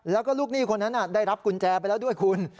แล้วก็ลูกหนี้คนนั้นได้รับกุญแจไปแล้วด้วยคุณ